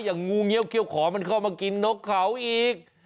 อย่างงูเงี๊ยวเขี้ยวคอฆ่ามาน้กเขาอีก